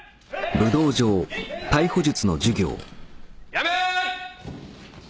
やめ！